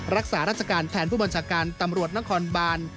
รักษาราชการแทนผู้บัญชาการตำรวจนครบาน